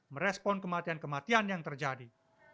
merespon kematian kematian yang terjadi